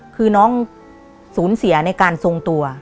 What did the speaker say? คือน้องสูญเสียในการทรงตัว